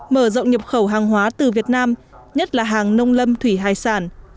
mở rộng nhập khẩu hàng hóa từ việt nam nhất là hàng nông lâm thủy hải sản